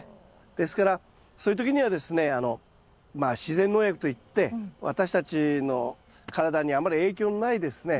ですからそういう時にはですねまあ自然農薬といって私たちの体にあんまり影響のないですね